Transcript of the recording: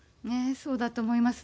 そうだと思いますね。